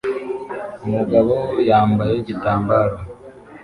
Umugabo yambaye igitambaro